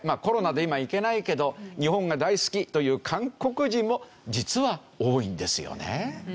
コロナで今行けないけど日本が大好きという韓国人も実は多いんですよね。